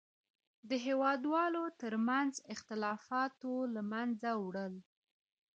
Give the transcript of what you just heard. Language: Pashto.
د هېوادوالو تر منځ اختلافاتو له منځه وړل.